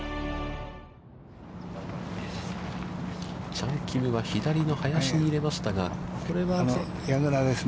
チャン・キムは左の林に入れましたが、これは青木さん。